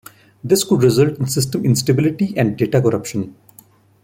This could result in system instability and data corruption.